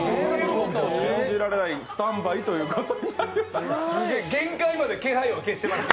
信じられない、スタンバイということになりました。